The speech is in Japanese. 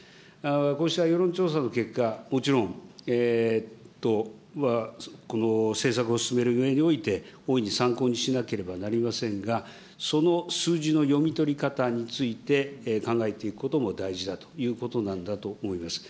こうした世論調査の結果、もちろんこの政策を進めるうえにおいて、大いに参考にしなければなりませんが、その数字の読み取り方について考えていくことも大事だということなんだと思います。